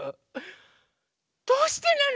どうしてなの？